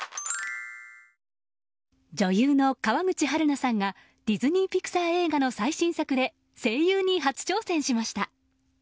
女優の川口春奈さんがディズニー・ピクサー映画の最新作で声優に初挑戦しました。